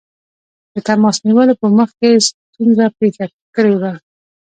د تماس نیولو په مخ کې ستونزه پېښه کړې وه.